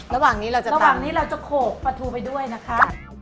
ระหว่างนี้เราจะโขกปลาทูไปด้วยนะคะ